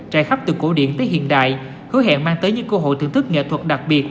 trải khắp từ cổ điển tới hiện đại hứa hẹn mang tới những cơ hội thưởng thức nghệ thuật đặc biệt